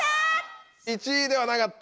１位ではなかった。